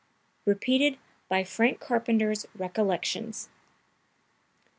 (Repeated by Frank Carpenter's "Recollections.")